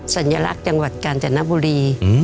สัญลักษณ์จังหวัดกาญจนบุรี